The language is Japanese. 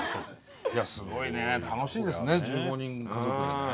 いやすごいね楽しいですね１５人家族でね。